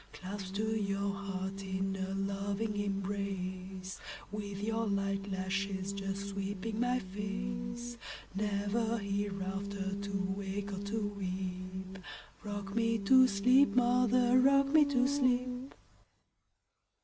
Clasped to your heart in a loving embrace, With your light lashes just sweeping my face, Never hereafter to wake or to weep;—Rock me to sleep, mother,—rock me to sleep!